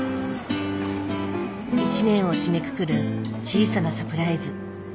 一年を締めくくる小さなサプライズ。